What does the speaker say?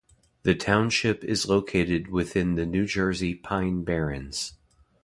The township is located within the New Jersey Pine Barrens.